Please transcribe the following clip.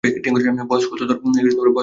বয়স কত তোর?